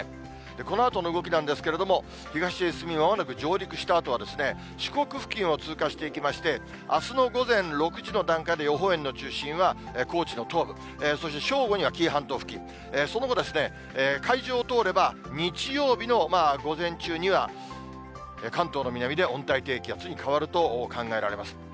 このあとの動きなんですけれども、東へ進み、まもなく上陸したあとは、四国付近を通過していきまして、あすの午前６時の段階で予報円の中心は高知の東部、そして正午には紀伊半島付近、その後、海上を通れば日曜日の午前中には、関東の南で温帯低気圧に変わると考えられます。